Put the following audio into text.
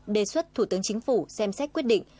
đề xuất thủ tướng chính phủ xem xét quyết định